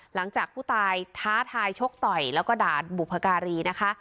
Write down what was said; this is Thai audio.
หลังจากผู้ตายท้าทายชกต่อยแล้วก็ด่าบุพการีนะคะ